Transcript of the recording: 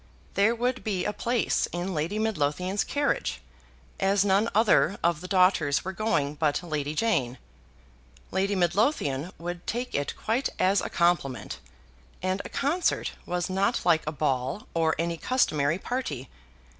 There would be a place in Lady Midlothian's carriage, as none other of the daughters were going but Lady Jane. Lady Midlothian would take it quite as a compliment, and a concert was not like a ball or any customary party.